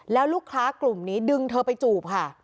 แล้วลูกค้ากลุ่มนี้ดึงเธอไปจูบค่ะ